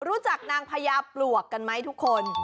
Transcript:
รู้จักนางพญาปลวกกันไหมทุกคน